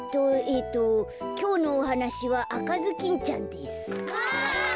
えっときょうのおはなしは「あかずきんちゃん」です。わ。